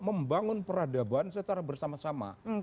membangun peradaban secara bersama sama